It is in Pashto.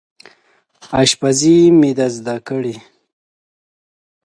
اشپزي مې ده زده کړې